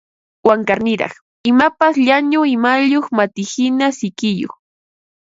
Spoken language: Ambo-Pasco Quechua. Wankarniraq, imapas llañu umayuq matihina sikiyuq